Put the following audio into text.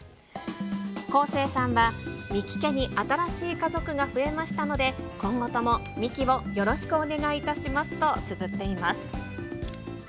昴生さんは、ミキ家に新しい家族が増えましたので、今後ともミキをよろしくお願いいたしますとつづっています。